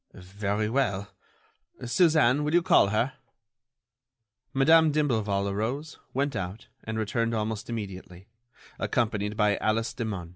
"Very well. Suzanne, will you call her?" Madame d'Imblevalle arose, went out, and returned almost immediately, accompanied by Alice Demun.